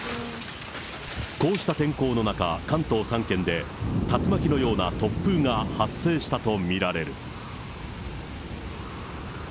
こうした天候の中、関東３県で、竜巻のような突風が発生したと見られる。